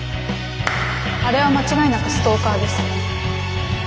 あれは間違いなくストーカーです。